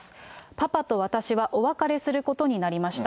パパと私はお別れすることになりました。